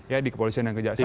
ya di kepolisian dan kejaksaan